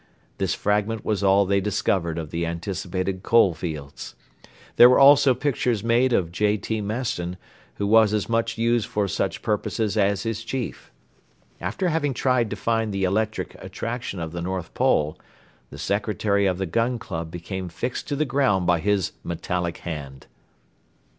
This fragment was all they discovered of the anticipated coal fields. There were also pictures made of J. T. Maston, who was as much used for such purposes as his chief. After having tried to find the electric attraction of the North Pole, the secretary of the Gun Club became fixed to the ground by his metallic hand.